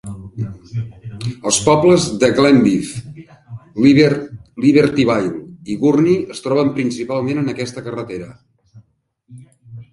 Els pobles de Glenview, Libertyville, i Gurnee es troben principalment en aquesta carretera.